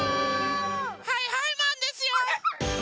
はいはいマンですよ！